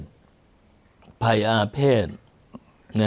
มรุตยูยังถอยหลังมาทับดวงเมืองด้วยไง